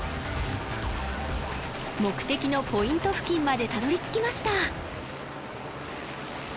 目的のポイント付近までたどり着きました